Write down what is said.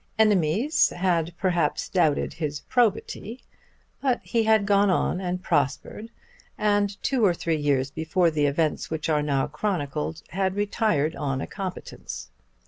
Enemies had perhaps doubted his probity; but he had gone on and prospered, and, two or three years before the events which are now chronicled, had retired on a competence.